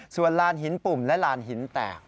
ส่วนลานหินปุ่มและลานหินแตก